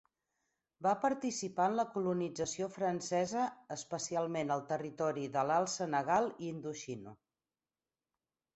Va participar en la colonització francesa especialment al Territori de l'Alt Senegal i a Indoxina.